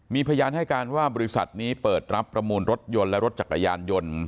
มีพยานให้การว่าบริษัทนี้เปิดรับประมูลรถยนต์และรถจักรยานยนต์